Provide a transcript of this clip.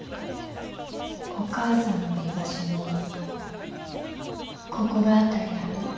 お母さんの居場所に心当たりある？